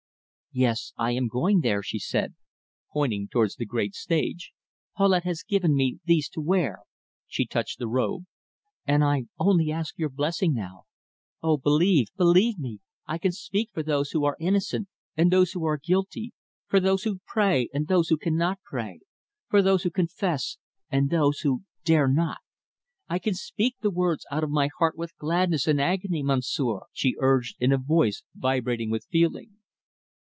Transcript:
"Yes, I am going there," she said, pointing towards the great stage. "Paulette has given me these to wear" she touched the robe "and I only ask your blessing now. Oh, believe, believe me, I can speak for those who are innocent and those who are guilty; for those who pray and those who cannot pray; for those who confess and those who dare not! I can speak the words out of my heart with gladness and agony, Monsieur," she urged, in a voice vibrating with feeling.